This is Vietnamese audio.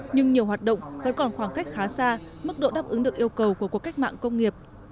nhưng nhiều hoạt động vẫn còn khoảng cách khá xa mức độ đáp ứng được yêu cầu của cuộc cách mạng công nghiệp